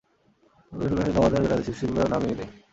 বাড়ি ফিরে জমে থাকা কাজ যেন বেড়ানোর সুখস্মৃতিগুলোকেই না মিইয়ে দেয়।